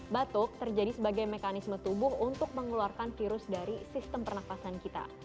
batuk terjadi sebagai mekanisme tubuh untuk mengeluarkan virus dari sistem pernafasan kita